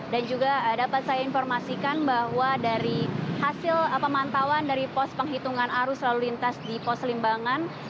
juga dapat saya informasikan bahwa dari hasil pemantauan dari pos penghitungan arus lalu lintas di pos limbangan